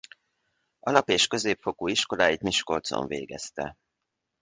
Alap- és középfokú iskoláit Miskolcon végezte.